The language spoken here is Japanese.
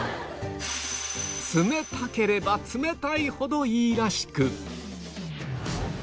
冷たければ冷たいほどいいらしく